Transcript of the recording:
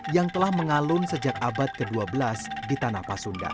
yang telah mengalun sejak abad ke dua belas di tanah pasundan